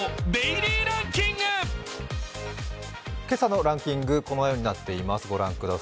今朝のランキング、このようになっています。